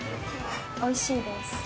おいしいです。